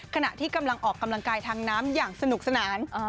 ขณะที่กำลังออกกำลังกายทางน้ำอย่างสนุกสนาน